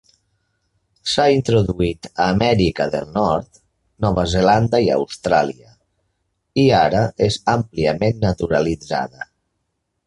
S'ha introduït a Amèrica del Nord, Nova Zelanda i Austràlia, i ara és àmpliament naturalitzada.